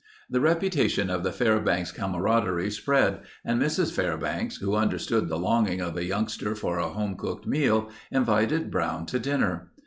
The reputation of the Fairbanks camaraderie spread, and Mrs. Fairbanks, who understood the longing of a youngster for a home cooked meal, invited Brown to dinner.